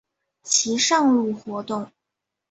其上路活动。